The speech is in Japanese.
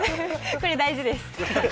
これ大事です。